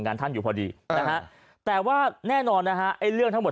ท่านอยู่พอดีนะฮะแต่ว่าแน่นอนนะฮะไอ้เรื่องทั้งหมด